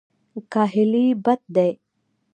کاهلي بد دی.